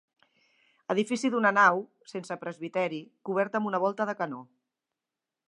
Edifici d’una nau, sense presbiteri, cobert amb una volta de canó.